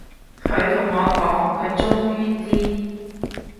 佢同我講，佢終於知